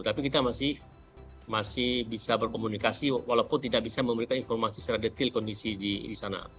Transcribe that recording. tapi kita masih bisa berkomunikasi walaupun tidak bisa memberikan informasi secara detail kondisi di sana